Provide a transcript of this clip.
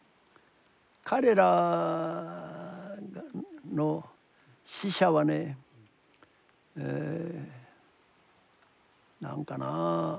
彼らの死者はね何かなぁ